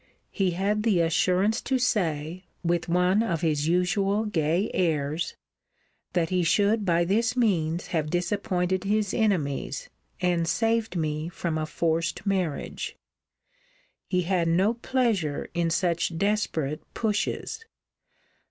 He had the assurance to say, with one of his usual gay airs, That he should by this means have disappointed his enemies, and saved me from a forced marriage. He had no pleasure in such desperate pushes.